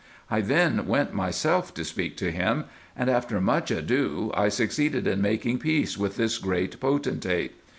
I then went myself to speak to him, and after much ado, I succeeded in making peace with this great potentate.